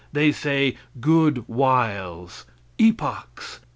They say "good whiles" epochs.